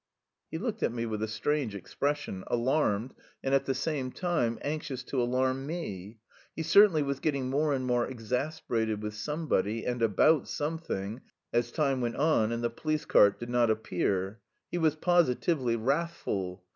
He looked at me with a strange expression alarmed, and at the same time anxious to alarm me. He certainly was getting more and more exasperated with somebody and about something as time went on and the police cart did not appear; he was positively wrathful.